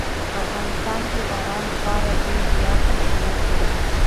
په افغانستان کې باران خورا ډېر زیات اهمیت لري.